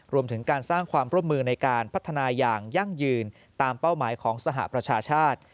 รวมถึงการสร้างความร่วมมือในการพัฒนาอย่างยั่งยืนตามเป้าหมายของสหประชาชาติ